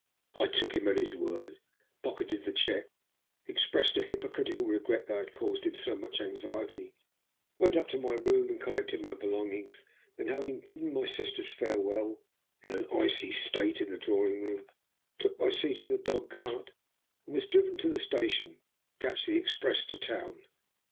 I took him at his word, pocketed the cheque, expressed a hypo critical regret that I had caused him so much anxiety; went up to my room and collected my belongings; then, having bidden my sisters farewell in icy state in the drawing room, took my seat in the dog cart, and was driven to the station to catch the express to town.